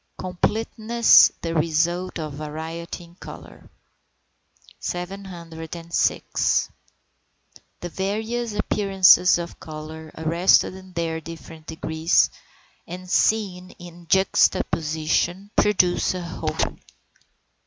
COMPLETENESS THE RESULT OF VARIETY IN COLOUR. 706. The various appearances of colour arrested in their different degrees, and seen in juxtaposition, produce a whole.